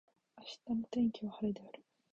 明日の天気は晴れである。